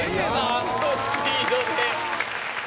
あのスピードで。